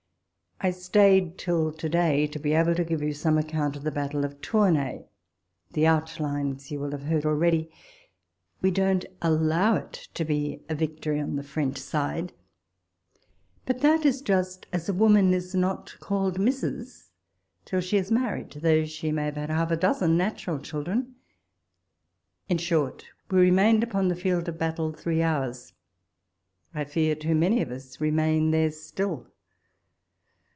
I STAYED till to day, to be able to give you some account of the battle of Tournay : the out lines you will have heard already. We don't allow it to be a victory on the French side : but that is, just as a woman is not called Mrs. till she is married, though she may have had half a dozen natural children. In short, we remained upon the field of battle three hours ; I fear, too many of us remain there still